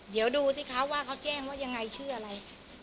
เดี๋ยวดูสิคะว่าเขาแจ้งว่ายังไงชื่ออะไร